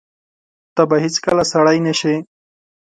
ته به هیڅکله سړی نه شې !